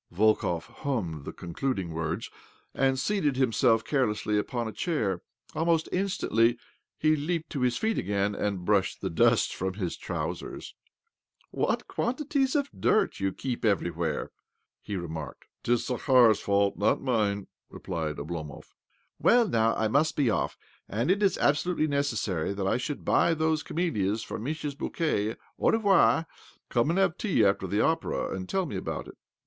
" Volkov hummed the concluding words, and seated himself carelessly upon a chair. Almost instantly he leaped to his feet again, and brushed the dust from his trousers. OBLOMOV ' 27 " What quantities of dirt you keep every where I "^he remarked. " 'Tis Zakhar's fault, not mine," repUed Oblomov. " Well, now I must be off, as it is abso lutely necessary that I should buy those camelias for Mischa's bouquet. Au revolt. '"" Come and have tea after the opera, and tell me all about it."